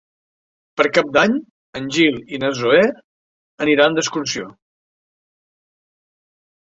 Per Cap d'Any en Gil i na Zoè aniran d'excursió.